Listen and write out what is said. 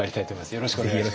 よろしくお願いします。